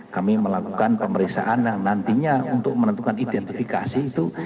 kami melakukan pemeriksaan yang nantinya untuk menentukan identifikasi itu